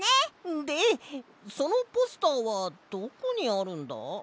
でそのポスターはどこにあるんだ？